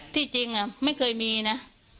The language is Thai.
ที่จริงไม่เคยมีนะ